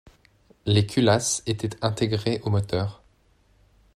Les culasses étaient intégrées au moteur.